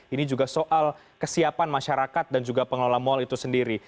ini juga soal kesiapan masyarakat dan juga pengelola mal itu sendiri